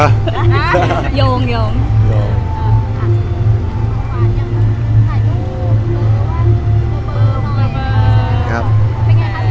ได้ด้วยเหรอ